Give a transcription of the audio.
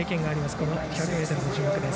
この１００ｍの種目です。